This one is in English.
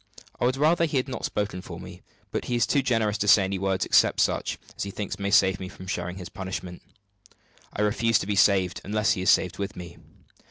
I would rather he had spoken for me; but he is too generous to say any words except such as he thinks may save me from sharing his punishment. I refuse to be saved, unless he is saved with me.